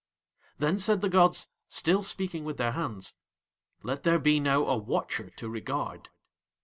Then said the gods, still speaking with Their hands: "Let there be now a Watcher to regard."